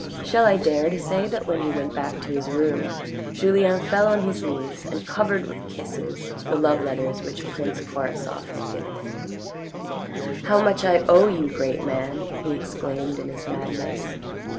Shall I dare to say that when he went back to his room Julien fell on his knees and covered with kisses the love letters which prince Korasoff had given him. " How much I owe you, great man," he exclaimed in his madness.